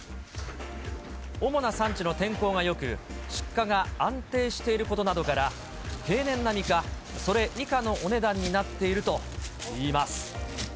主な産地の天候がよく、出荷が安定していることなどから、平年並みか、それ以下のお値段になっているといいます。